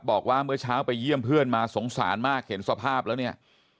บอกว่าเมื่อเช้าไปเยี่ยมเพื่อนมาสงสารมากเห็นสภาพแล้วเนี่ย